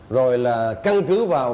rồi là căn cứ vào